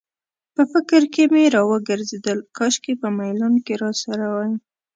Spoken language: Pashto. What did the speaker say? په فکر کې مې راوګرځېدل، کاشکې په میلان کې راسره وای.